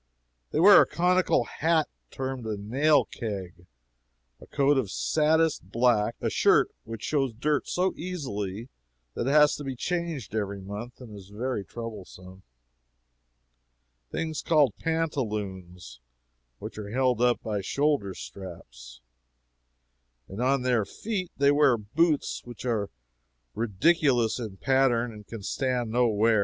They wear a conical hat termed a 'nail keg;' a coat of saddest black; a shirt which shows dirt so easily that it has to be changed every month, and is very troublesome; things called pantaloons, which are held up by shoulder straps, and on their feet they wear boots which are ridiculous in pattern and can stand no wear.